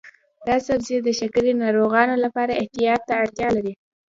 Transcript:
دا سبزی د شکرې ناروغانو لپاره احتیاط ته اړتیا لري.